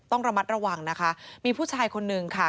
ต้องระมัดระวังนะคะมีผู้ชายคนนึงค่ะ